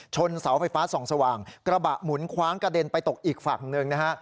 เสาไฟฟ้าส่องสว่างกระบะหมุนคว้างกระเด็นไปตกอีกฝั่งหนึ่งนะฮะ